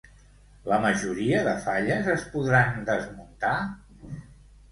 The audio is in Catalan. La majoria de falles es podran desmuntar?